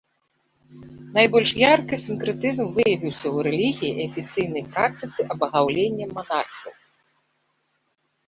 Найбольш ярка сінкрэтызм выявіўся ў рэлігіі і афіцыйнай практыцы абагаўлення манархаў.